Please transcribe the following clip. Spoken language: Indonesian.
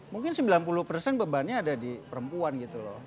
mungkin sembilan puluh persen bebannya ada di perempuan gitu loh